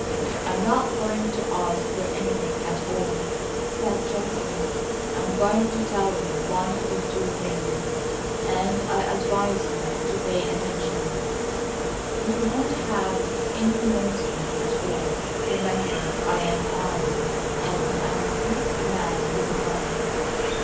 "I'm not going to ask for anything at all," said Geoffrey. "I'm going to tell you one or two things, and I advise you to pay attention. We won't have any nonsense at all. Remember I am armed, and I am a quick man with a gun.